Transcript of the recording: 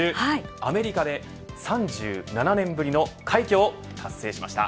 アメリカで３７年ぶりの快挙を達成しました。